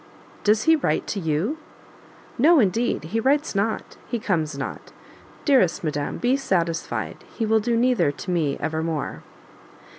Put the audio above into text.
"Does he write to you?" "No, indeed! he writes not he comes not dearest madam be satisfied, he will do neither to me ever more!"